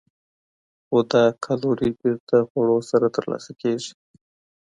خو دا کالوري بېرته خوړو سره ترلاسه کېږي.